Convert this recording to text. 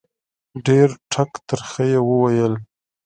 ډېر ټک ترخه یې وویل